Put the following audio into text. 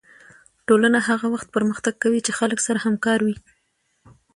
ټولنه هغه وخت پرمختګ کوي چې خلک سره همکاره وي